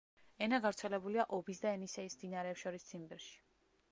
ენა გავრცელებულია ობის და ენისეის მდინარეებს შორის ციმბირში.